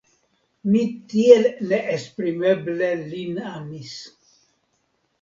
Mi tiel neesprimeble lin amis!